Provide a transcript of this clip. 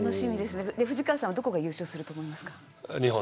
藤川さんはどこが優勝すると思いますか。